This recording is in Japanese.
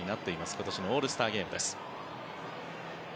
今年のオールスターゲームです。